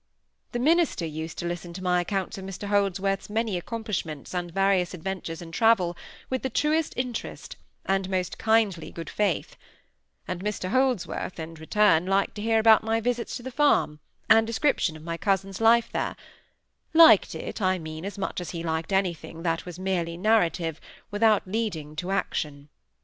The minister used to listen to my accounts of Mr Holdsworth's many accomplishments and various adventures in travel with the truest interest, and most kindly good faith; and Mr Holdsworth in return liked to hear about my visits to the farm, and description of my cousin's life there—liked it, I mean, as much as he liked anything that was merely narrative, without leading to action.